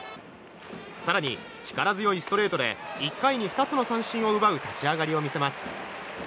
更に力強いストレートで１回に２つの三振を奪う立ち上がりを見せます。